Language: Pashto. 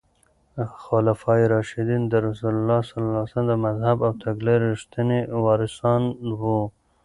خلفای راشدین د رسول الله ص د مذهب او تګلارې رښتیني وارثان وو.